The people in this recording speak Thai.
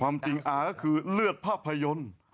ความจริงอาก็คือเลือกภาพยนตร์